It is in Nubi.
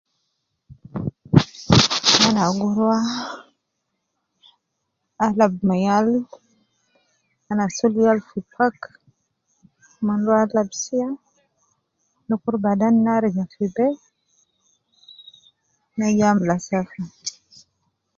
Ana gi rua ,alab ma yal, ana sul yal fi park, mon rua alab sia dukur baden ne arija fi be, ne ja amula safa